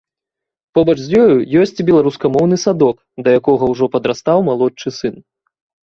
Побач з ёю ёсць і беларускамоўны садок, да якога ўжо падрастаў малодшы сын.